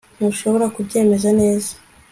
ntushobora kubyemeza neza